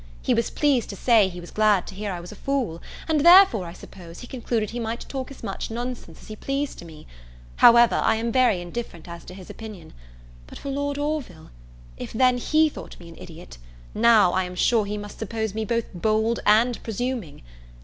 He was pleased to say he was glad to hear I was a fool; and therefore, I suppose, he concluded he might talk as much nonsense as he pleased to me: however, I am very indifferent as to his opinion; but for Lord Orville, if then he thought me an idiot, now, I am sure, he must suppose me both bold and presuming.